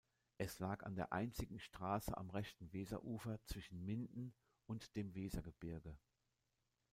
Es lag an der einzigen Straße am rechten Weserufer zwischen Minden und dem Wesergebirge.